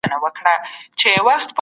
تاريخي جريانونه بايد په ژورتيا وڅېړل سي.